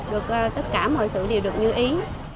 được tất cả mọi sự đều được như ý